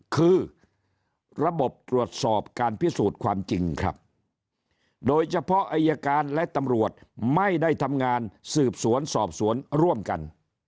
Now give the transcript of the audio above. คือระบบตรวจสอบการพิสูจน์ความจริงครับโดยเฉพาะอายการและตำรวจไม่ได้ทำงานสืบสวนสอบสวนร่วมกัน